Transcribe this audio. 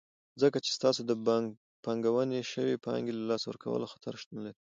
ځکه چې ستاسو د پانګونې شوي پانګې له لاسه ورکولو خطر شتون لري.